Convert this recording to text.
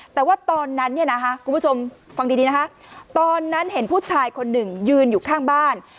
แต่ว่าตอนนั้นเนี่ยนะคะคุณผู้ชมฟังดีนะคะตอนนั้นเห็นผู้ชายคนหนึ่งยืนอยู่ข้างบ้าน